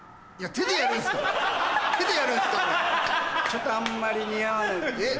ちょっとあんまり似合わない。